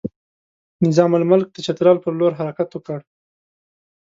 نظام الملک د چترال پر لور حرکت وکړ.